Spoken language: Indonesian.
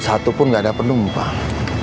satupun gak ada penumbang